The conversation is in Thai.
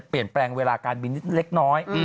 เปลี่ยนแปลงเวลาการบินนิดเล็กน้อย